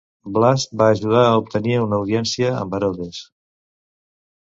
Blast va ajudar a obtenir una audiència amb Herodes.